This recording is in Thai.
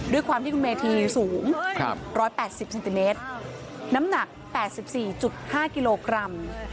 ด้วยความที่คุณเมธีสูง๑๘๐เซนติเมตรน้ำหนัก๘๔๕กิโลกรัม